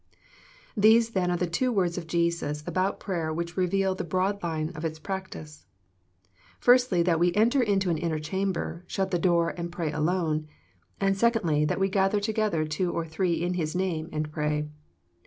* These then are the two words of Jesus about prayer which reveal the broad lines of its practice. Firstly that we enter into an inner chamber, shut the door, and pray alone ; and secondly, that we gather together two or three in His name and pray.